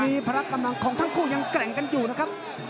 มีพละกำลังของทั้งคู่ยังแกร่งกันอยู่นะครับ